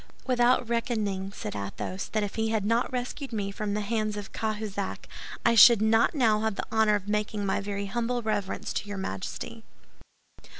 "Without reckoning," said Athos, "that if he had not rescued me from the hands of Cahusac, I should not now have the honor of making my very humble reverence to your Majesty."